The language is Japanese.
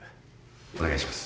お願いします。